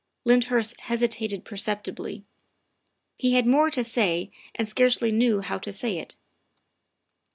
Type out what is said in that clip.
'' Lyndhurst hesitated perceptibly; he had more to say and scarcely knew how to say it.